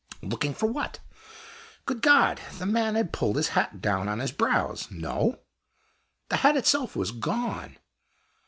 Looking for what? Good God! the man had pulled his hat down on his brows! No! the hat itself was gone!